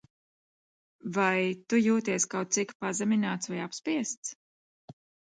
Vai tu jūties kaut cik pazemināts vai apspiests?